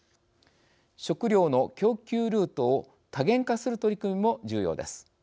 食料の供給ルートを多元化する取り組みも重要です。